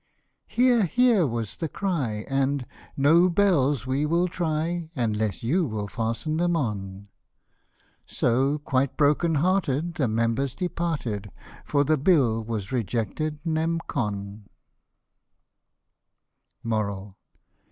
" Hear! hear!" was the cry, and " no bells we will try Unless you will fasten them on ;" So quite broken hearted the members departed, For the bill was rejected nem. con.